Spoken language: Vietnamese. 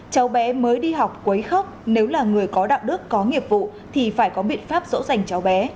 cháu bé mới đi học quấy khóc nếu là người có đạo đức có nghiệp vụ thì phải có biện pháp rỗ rành cháu bé